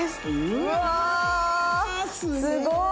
うわすごい。